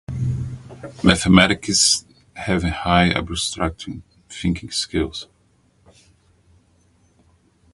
Mathematicians have high abstract thinking skills.